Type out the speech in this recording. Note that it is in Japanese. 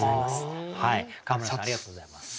川村さんありがとうございます。